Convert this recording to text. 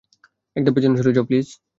এক ধাপ পেছনে সরে যাও, প্লিজ।